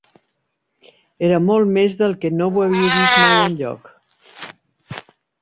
Era molt més del que no ho havia vist mai enlloc